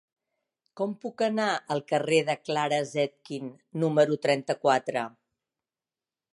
Com puc anar al carrer de Clara Zetkin número trenta-quatre?